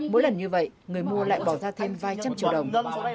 mỗi lần như vậy người mua lại bỏ ra thêm vài trăm triệu đồng